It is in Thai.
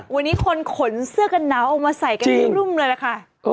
วันนี้คนขนเสื้อกันหนาวเอามาใส่กันรุ่มเลยล่ะค่ะ